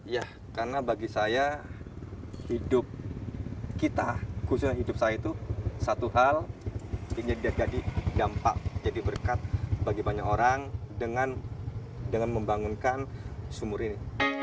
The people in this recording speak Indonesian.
ya karena bagi saya hidup kita khususnya hidup saya itu satu hal jadi dampak jadi berkat bagi banyak orang dengan membangunkan sumur ini